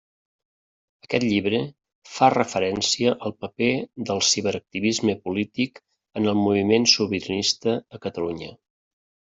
Aquest llibre fa referència al paper del ciberactivisme polític en el moviment sobiranista a Catalunya.